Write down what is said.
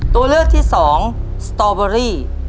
ตัวเลือกที่สองสตอเบอรี่